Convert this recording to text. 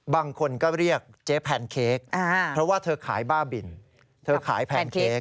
บางคนก็เรียกเจ๊แพนเค้กเพราะว่าเธอขายบ้าบินเธอขายแพนเค้ก